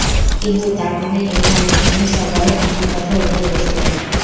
কিন্তু, তার মানে এই না এখানের সবাই আপনার কথায় উঠবে বসবে!